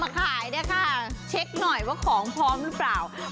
มาขายเนี่ยค่ะเช็กหน่อยว่าของพร้อมหรือเปล่าเพราะว่า